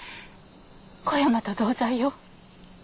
小山と同罪よ。